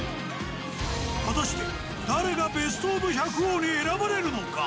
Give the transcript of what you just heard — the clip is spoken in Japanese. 果たして誰がベストオブ百王に選ばれるのか？